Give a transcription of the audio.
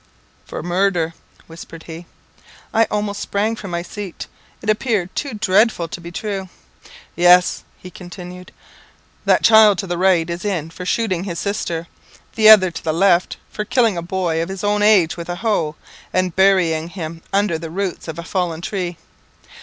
"For murder!" whispered he. I almost sprang from my seat; it appeared too dreadful to be true. "Yes," he continued. "That child to the right is in for shooting his sister. The other, to the left, for killing a boy of his own age with a hoe, and burying him under the roots of a fallen tree.